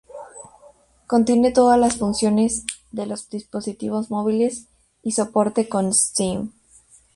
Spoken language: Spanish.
Contiene todas las funciones de los dispositivos móviles y soporte con Steam.